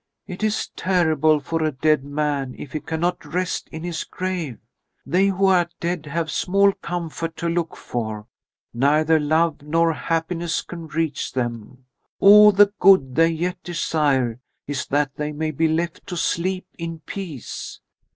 "It is terrible for a dead man if he cannot rest in his grave. They who are dead have small comfort to look for; neither love nor happiness can reach them. All the good they yet desire is that they may be left to sleep in peace.